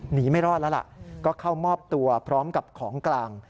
ไม่รอดแล้วล่ะก็เข้ามอบตัวพร้อมกับของกลาง